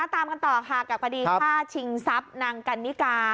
ตามกันต่อค่ะกับคดีฆ่าชิงทรัพย์นางกันนิกา